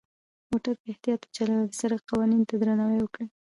موټر په اختیاط وچلوئ، او د سرک قوانینو ته درناوی وکړئ.